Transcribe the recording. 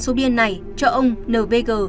số bia này cho ông n v g